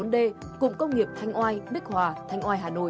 hai nghìn chín trăm một mươi bốn d cụm công nghiệp thanh oai đức hòa thanh oai hà nội